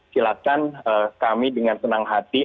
silahkan kami dengan tenang hati